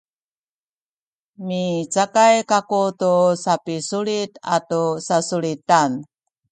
micakay kaku tu sapisulit atu sasulitan